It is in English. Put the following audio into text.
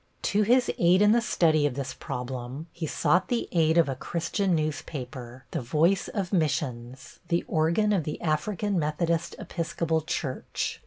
To his aid in the study of this problem he sought the aid of a Christian newspaper, the Voice of Missions, the organ of the African Methodist Episcopal Church.